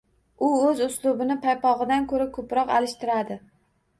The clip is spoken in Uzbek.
U o‘z uslubini paypog‘idan ko‘ra ko‘proq alishtiradi